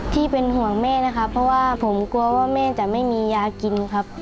ที่เป็นห่วงแม่นะครับเพราะว่าผมกลัวว่าแม่จะไม่มียากินครับ